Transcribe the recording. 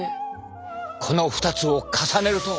この２つを重ねると。